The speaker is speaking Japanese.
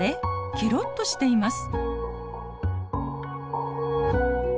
ケロッとしています。